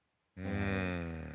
うん。